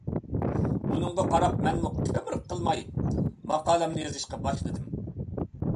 ئۇنىڭغا قاراپ مەنمۇ قىمىر قىلماي ماقالەمنى يېزىشقا داۋام قىلدىم.